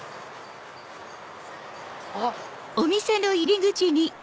あっ。